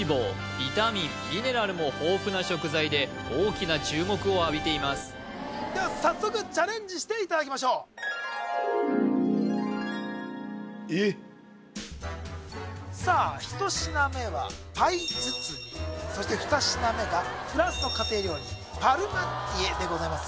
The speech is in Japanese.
ビタミンミネラルも豊富な食材で大きな注目を浴びていますでは早速チャレンジしていただきましょうさあ１品目はパイ包みそして２品目がフランスの家庭料理パルマンティエでございます